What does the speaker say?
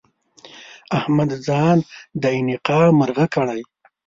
احمد ځان د انقا مرغه کړی؛